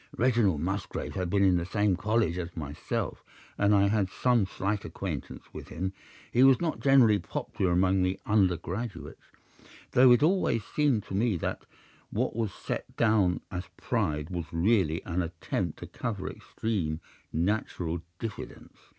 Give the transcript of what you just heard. "Reginald Musgrave had been in the same college as myself, and I had some slight acquaintance with him. He was not generally popular among the undergraduates, though it always seemed to me that what was set down as pride was really an attempt to cover extreme natural diffidence.